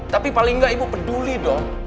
tapi paling nggak ibu peduli dong